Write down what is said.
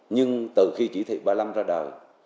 nhưng từ khi chỉ thị ba mươi năm ra đời